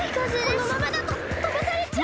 このままだととばされちゃう！